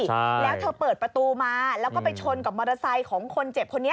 ใช่แล้วเธอเปิดประตูมาแล้วก็ไปชนกับมอเตอร์ไซค์ของคนเจ็บคนนี้